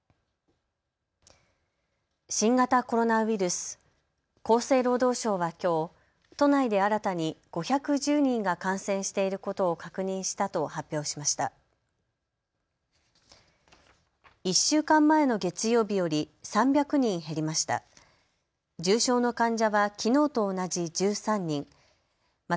新型コロナウイルス、厚生労働省はきょう都内で新たに５１０人が感染していることを確認したと発表しました。